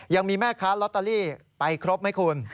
ยังมีแม่ค้าลอตเตอรี่ไปครบไหมคุณ